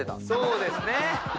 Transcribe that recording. そうですね。